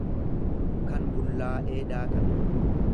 kan bullaa'ee daakame.